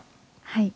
はい。